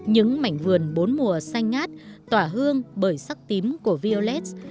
những mảnh vườn bốn mùa xanh ngát tỏa hương bởi sắc tím của viollah